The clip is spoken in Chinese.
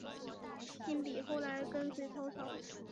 辛毗后来跟随曹操。